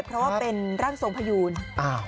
เพราะว่าเป็นร่างทรงพยูน